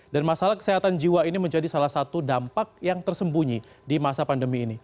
dan masalah kesehatan jiwa ini menjadi salah satu dampak yang tersembunyi di masa pandemi ini